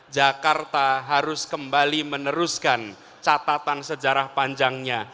jakarta harus kembali meneruskan catatan sejarah panjangnya